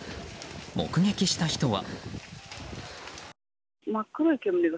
目撃した人は。